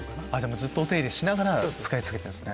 ずっとお手入れしながら使い続けてるんですね。